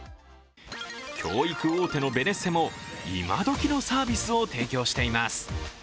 教育大手のベネッセも今どきのサービスを提供しています。